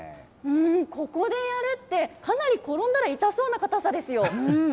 ここでやるって、かなり転んだら痛そうな固さですよ。